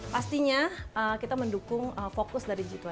pastinya kita mendukung fokus dari g dua puluh